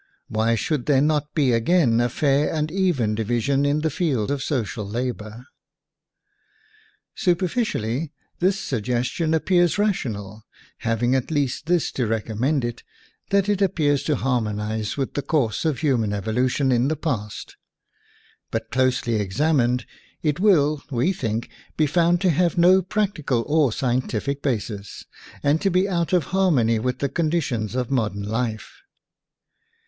Why should there not be again a fair and even division in the field of social labor?" Superficially, this suggestion appears rational, having at least this to recom mend it, that it appears to harmonize with the course of human evolution in the past; but closely examined, it will, we think, be found to have no practical or scientific basis, and to be out of har mony with the conditions of modern life.